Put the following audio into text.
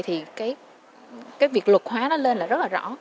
thì cái việc luật hóa nó lên là rất là rõ